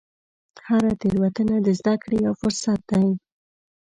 هره تېروتنه د زده کړې یو فرصت دی.